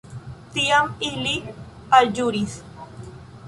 Tiam ili alĵuris.